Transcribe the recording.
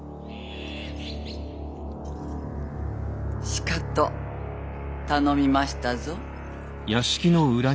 しかと頼みましたぞ。